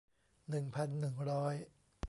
หนึ่งพันหนึ่งร้อย